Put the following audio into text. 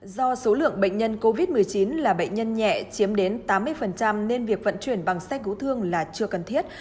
do số lượng bệnh nhân covid một mươi chín là bệnh nhân nhẹ chiếm đến tám mươi nên việc vận chuyển bằng xe cứu thương là chưa cần thiết